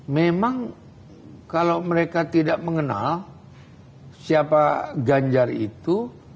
memang kalau mereka tidak mengenal siapa ganjar itu